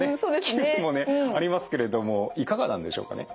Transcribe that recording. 気分もねありますけれどもいかがなんでしょうかね？